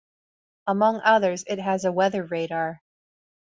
Among others, it has a weather radar.